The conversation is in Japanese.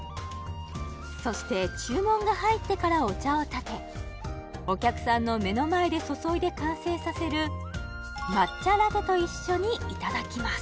そして注文が入ってからお茶をたてお客さんの目の前で注いで完成させる抹茶ラテと一緒にいただきます